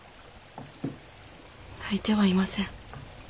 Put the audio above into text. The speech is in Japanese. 泣いてはいません。